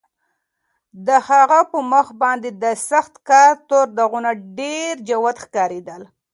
د هغه په مخ باندې د سخت کار تور داغونه ډېر جوت ښکارېدل.